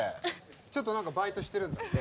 ちょっと何かバイトしてるんだって。